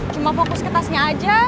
cuma fokus ke tasnya aja